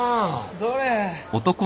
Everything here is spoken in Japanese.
どれ。